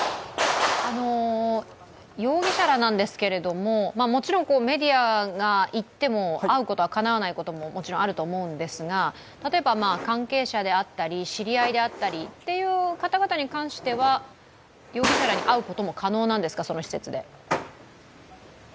容疑者らなんですけれどももちろんメディアが行っても会うことはできないことはもちろんあると思うんですが、関係者であったり知り合いであったりという方々に関しては、容疑者らに会うことも可能なんですか、その施設で。